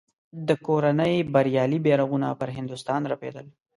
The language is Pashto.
د کورنۍ بریالي بیرغونه پر هندوستان رپېدل.